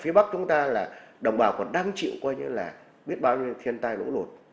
phía bắc chúng ta là đồng bào còn đang chịu coi như là biết bao nhiêu thiên tai lũ lụt